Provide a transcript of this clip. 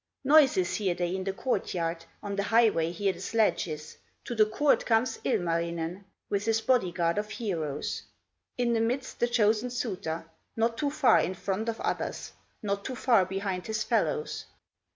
'" Noises hear they in the court yard, On the highway hear the sledges, To the court comes Ilmarinen, With his body guard of heroes; In the midst the chosen suitor, Not too far in front of others, Not too far behind his fellows.